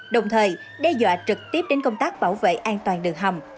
đồng thời đe dọa trực tiếp đến công tác bảo vệ an toàn đường hầm